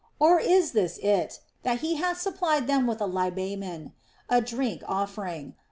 Or is this it, that he hath supplied them with a libamen, a drink offer ing'?